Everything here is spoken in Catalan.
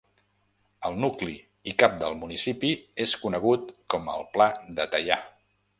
El nucli i cap del municipi és conegut com el Pla de Teià.